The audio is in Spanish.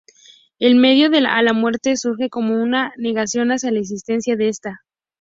El miedo a la muerte surge como una negación hacia la existencia de esta.